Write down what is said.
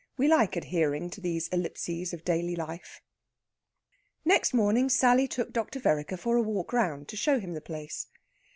We like adhering to these ellipses of daily life. Next morning Sally took Dr. Vereker for a walk round to show him the place.